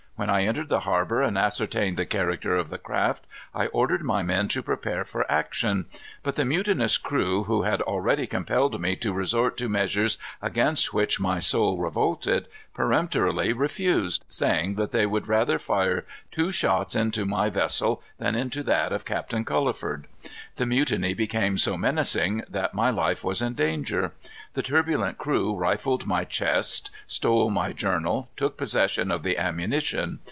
When I entered the harbor and ascertained the character of the craft, I ordered my men to prepare for action. But the mutinous crew, who had already compelled me to resort to measures against which my soul revolted, peremptorily refused, saying that they would rather fire two shots into my vessel than one into that of Captain Culliford. The mutiny became so menacing that my life was in danger. The turbulent crew rifled my chest, stole my journal, took possession of the ammunition.